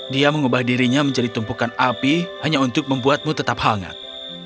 dia mengubah dirinya menjadi tumpukan api hanya untuk membuatmu tetap hangat